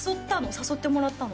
誘ってもらったの？